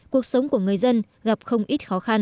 cuộc sống của người dân gặp không ít khó khăn